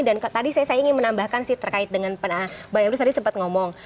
dan tadi saya ingin menambahkan terkait dengan bang emrus tadi sempat ngomong